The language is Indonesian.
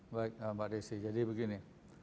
baik mbak desi jadi begini